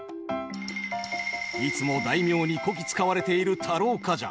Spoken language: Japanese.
いつも大名にこき使われている太郎冠者